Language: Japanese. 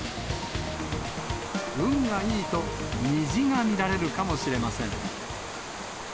運がいいと、虹が見られるかもしれません。